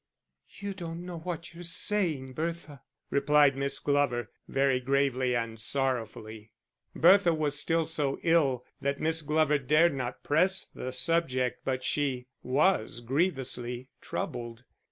"You don't know what you're saying, Bertha," replied Miss Glover, very gravely and sorrowfully. Bertha was still so ill that Miss Glover dared not press the subject, but she was grievously troubled.